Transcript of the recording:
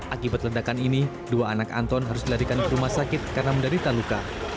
akibat ledakan ini dua anak anton harus dilarikan ke rumah sakit karena menderita luka